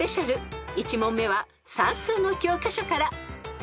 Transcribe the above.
［１問目は算数の教科書から］